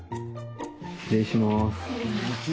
失礼します。